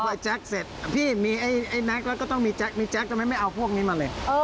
พอแจ็คเสร็จพี่มีไอ้แน็กแล้วก็ต้องมีแจ๊คทำไมไม่เอาพวกนี้มาเลย